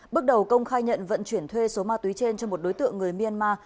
bước đầu công khai nhận vận chuyển thuê số ma túy trên cho một đối tượng người myanmar